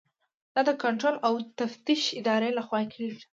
دا د کنټرول او تفتیش ادارې لخوا کیږي.